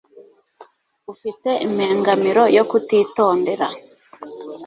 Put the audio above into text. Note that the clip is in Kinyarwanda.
Ufite impengamiro yo kutitondera.